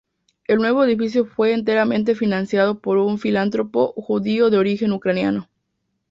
El nuevo edificio fue enteramente financiado por un filántropo judío de origen ucraniano.